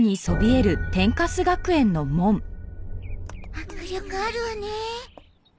迫力あるわね。